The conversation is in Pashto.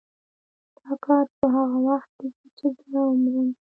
دا کار به هغه وخت کېږي چې زه ومرم.